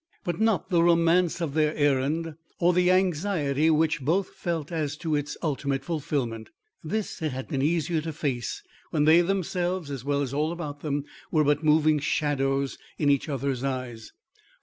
But not the romance of their errand, or the anxiety which both felt as to its ultimate fulfilment. This it had been easier to face when they themselves as well as all about them, were but moving shadows in each other's eyes.